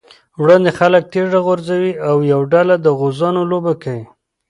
وړاندې خلک تيږه غورځوي، یوه ډله د غوزانو لوبه کوي.